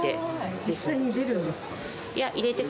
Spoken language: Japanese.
実際に出るんですか？